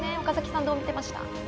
岡崎さんどう見てました？